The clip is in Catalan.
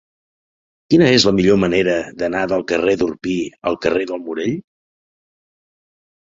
Quina és la millor manera d'anar del carrer d'Orpí al carrer del Morell?